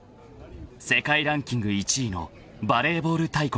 ［世界ランキング１位のバレーボール大国だ］